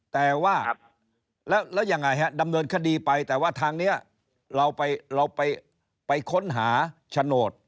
และดำเนินคดีไปแต่ทางนี้เราไปค้นหาชโนต